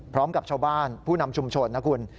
พร้อมกับชาวบ้านผู้นำชุมชนนะคุณ